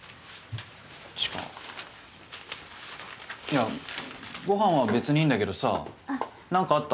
いやご飯は別にいいんだけどさ何かあった？